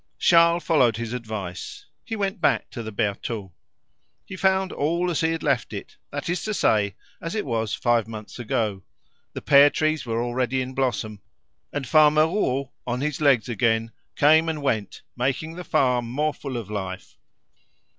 Charles followed his advice. He went back to the Bertaux. He found all as he had left it, that is to say, as it was five months ago. The pear trees were already in blossom, and Farmer Rouault, on his legs again, came and went, making the farm more full of life.